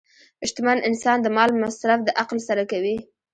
شتمن انسان د مال مصرف د عقل سره کوي.